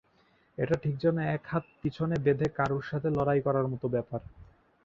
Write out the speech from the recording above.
এটা ঠিক যেন এক হাত পিছোনে বেঁধে কারুর সাথে লড়াই করার মতো ব্যপার।